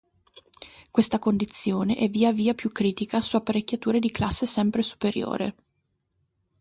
Questa condizione è via via più critica su apparecchiature di classe sempre superiore.